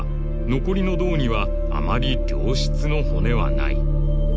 「残りの洞にはあまり良質の骨はない」